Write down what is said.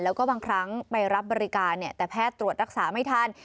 แล้วก็บางครั้งไปรับบริการแต่แพทย์ตรวจรักษาไม่ทัน